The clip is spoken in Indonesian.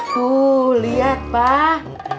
tuh liat pak